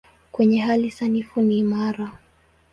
Kwenye hali sanifu ni imara.